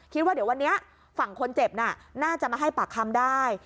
คิดว่าเดี๋ยววันนี้ฝั่งคนเจ็บน่าจะมาให้ปากคำได้